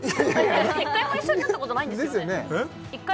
１回も一緒になったことないんですよね？